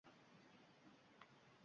Maddoh fahm topsin, gunglarga til ber –